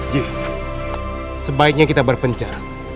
ji sebaiknya kita berpencar